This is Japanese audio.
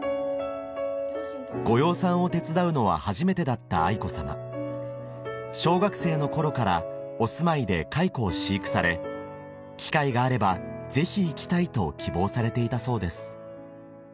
ご養蚕を手伝うのは初めてだった愛子さま小学生の頃からお住まいで蚕を飼育され「機会があればぜひ行きたい」と希望されていたそうです